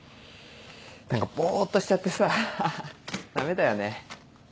何かぼっとしちゃってさぁダメだよね。